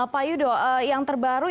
pak yudo yang terbaru